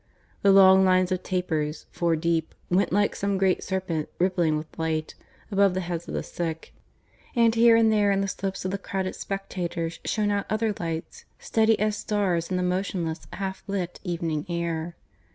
The long lines of tapers, four deep, went like some great serpent, rippling with light, above the heads of the sick; and here and there in the slopes of the crowded spectators shone out other lights, steady as stars in the motionless half lit evening air.